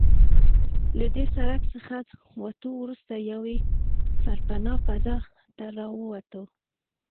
له دې سړک څخه له وتو وروسته یوې بې سرپنا فضا ته راووتو.